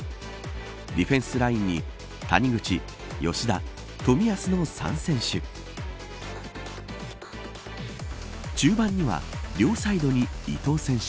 ディフェンスラインに谷口、吉田、冨安の３選手。